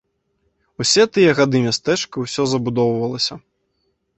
Усе тыя гады мястэчка ўсё забудоўвалася.